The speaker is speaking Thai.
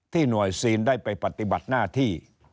หน่วยซีนได้ไปปฏิบัติหน้าที่